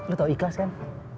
lo tau ikhlas kan